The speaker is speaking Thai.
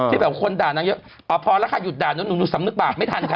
แบบคนด่านางเยอะพอแล้วค่ะหยุดด่าหนูหนูสำนึกบาปไม่ทันค่ะ